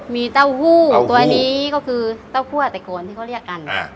มีเต้าหู้เอาหู้ตัวนี้ก็คือเต้าคั่วแต่โกนที่เขาเรียกอันอ่า